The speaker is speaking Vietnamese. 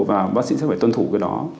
và bác sĩ sẽ phải tuân thủ cái đó